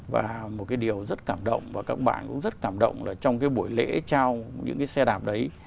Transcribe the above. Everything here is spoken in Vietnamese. và một cái điều rất cảm động và các bạn cũng rất cảm động là trong cái buổi lễ trao những cái xe đạp đấy